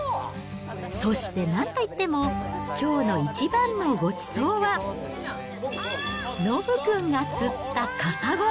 そして、なんといっても、きょうの一番のごちそうは、のぶ君が釣ったカサゴ。